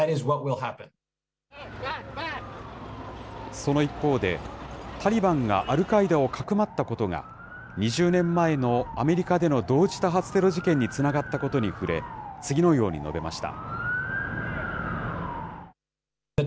その一方で、タリバンがアルカイダをかくまったことが、２０年前のアメリカでの同時多発テロ事件につながったことに触れ、次のように述べました。